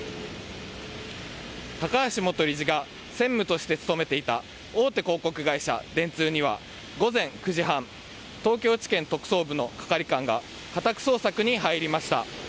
高橋元理事が専務として勤めていた大手広告会社、電通には、午前９時半、東京地検特捜部の係官が家宅捜索に入りました。